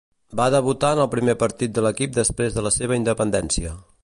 Va debutar en el primer partir de l'equip després de la seva independència.